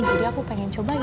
jadi aku pengen coba ya